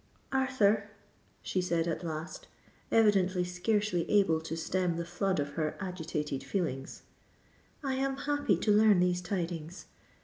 "Arthur," she said at last, evidently scarcely able to stem the flood of her agitated feelings, "I am happy to learn these tidings.